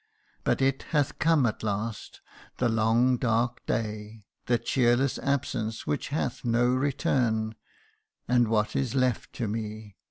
But it hath come at last the long dark day, The cheerless absence which hath no return And what is left to me